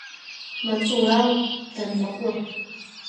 Маҵурала данлаҟәы.